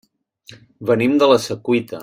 Venim de la Secuita.